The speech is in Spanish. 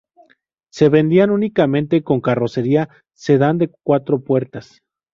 Se vendían únicamente con carrocería sedán de cuatro puertas.